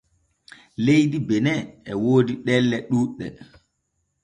Leydi Bene e woodi ɗelle ɗuuɗɗe.